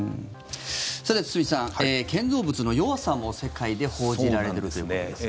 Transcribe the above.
さて、堤さん建造物の弱さも世界で報じられているということですか。